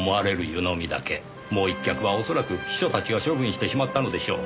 もう１脚はおそらく秘書たちが処分してしまったのでしょう。